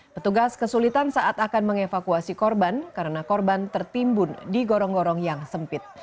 petugas kesulitan saat akan mengevakuasi korban karena korban tertimbun di gorong gorong yang sempit